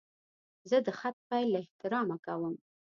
زه د خط پیل له احترامه کوم.